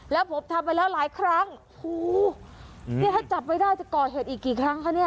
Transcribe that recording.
แล้วผมทำไปแล้วหลายครั้งโอ้โหนี่ถ้าจับไว้ได้จะก่อเหตุอีกกี่ครั้งคะเนี่ย